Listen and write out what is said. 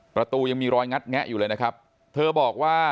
ประตูยังมีรอยงัดแงะอยู่เลยนะครับเธอบอกว่า